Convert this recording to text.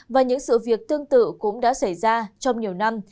và những sự việc tương tự cũng đã xảy ra trong nhiều năm